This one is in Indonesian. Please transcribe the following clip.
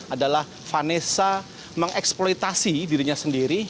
adalah vanessa mengeksploitasi dirinya sendiri